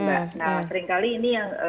nah seringkali ini yang